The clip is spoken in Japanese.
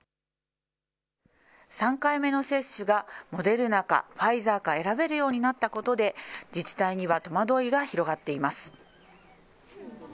３回目の接種がモデルナかファイザーか選べるようになったことで、自治体には戸惑いが広がっています。